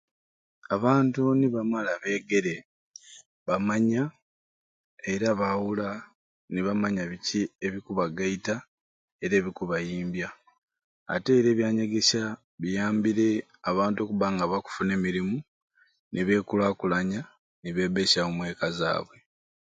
Abantu nibamala beegere, bamanya era baawula nebamanya biki ebikubagaita era ebikubaimbya. Ate are ebyanyegesya biyambire abantu okuba nga bakufuna emirimu nebeekulakulanya nebebbeesyawo omweka zaabwe